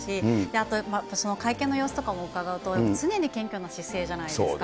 あと、その会見の様子とかも伺うと、やっぱり常に謙虚な姿勢じゃないですか。